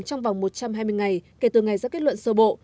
trong vòng một trăm hai mươi ngày kể từ ngày ra kết luận sơ bộ